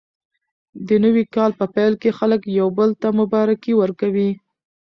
د نوي کال په پیل کې خلک یو بل ته مبارکي ورکوي.